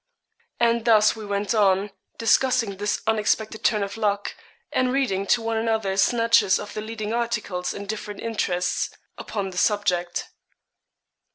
And thus we went on, discussing this unexpected turn of luck, and reading to one another snatches of the leading articles in different interests upon the subject.